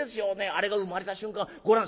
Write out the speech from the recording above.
あれが生まれた瞬間ご覧」。